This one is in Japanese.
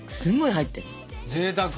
ぜいたく！